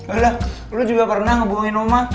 udah lo juga pernah ngebohongin oma